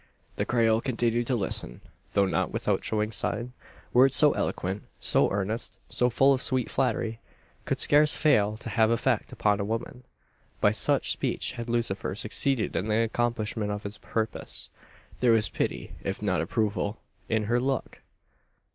The Creole continued to listen, though not without showing sign. Words so eloquent, so earnest, so full of sweet flattery, could scarce fail to have effect upon a woman. By such speech had Lucifer succeeded in the accomplishment of his purpose. There was pity, if not approval, in her look!